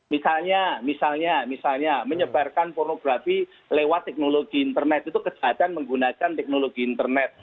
misalnya misalnya menyebarkan pornografi lewat teknologi internet itu kejahatan menggunakan teknologi internet